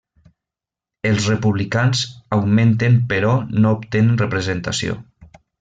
Els Republicans augmenten però no obtenen representació.